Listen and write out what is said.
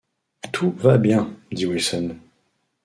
Tout va bien, » dit Wilson.